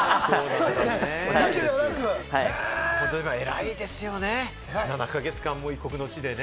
偉いですよね、７か月間、異国の地でね。